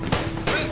はい！